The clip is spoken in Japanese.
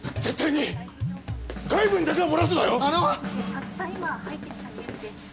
たった今入ってきたニュースです。